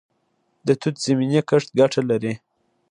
د توت زمینی کښت ګټه لري؟